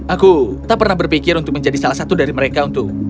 aku tak pernah berpikir untuk menjadi salah satu dari mereka untuk